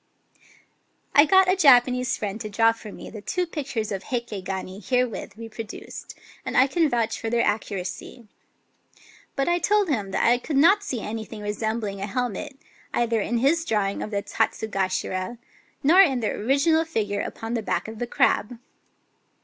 I got a Japanese friend to draw for me the two pictures of Heike gani herewith reproduced ; and I can vouch for their accuracy. But I told him that I could not see anything resembling a hel met, either in his drawing of the Tatsugashira, nor in the original figure upon the back of the crab.